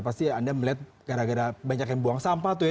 pasti anda melihat gara gara banyak yang buang sampah